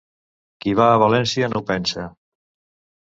Qui va a València no ho pensa.